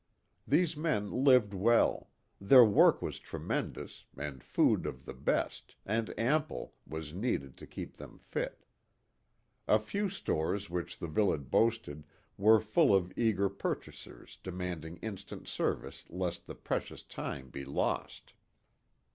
These men lived well; their work was tremendous, and food of the best, and ample, was needed to keep them fit. The few stores which the village boasted were full of eager purchasers demanding instant service lest the precious time be lost.